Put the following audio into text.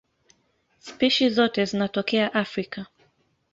Spishi zote zinatokea Afrika.